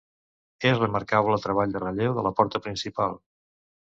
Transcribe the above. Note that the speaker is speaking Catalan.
És remarcable el treball de relleu de la porta principal.